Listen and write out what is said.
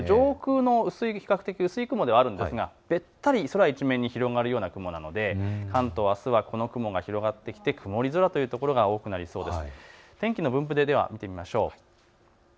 上空の比較的薄い雲ではあるんですがべったり空一面に広がる雲なので関東あすはこの雲が広がってきて曇り空というところ多くなりそうです。